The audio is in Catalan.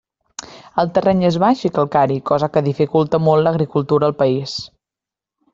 El terreny és baix i calcari, cosa que dificulta molt l'agricultura al país.